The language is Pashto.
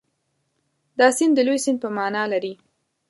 دا سیند د لوی سیند په معنا لري.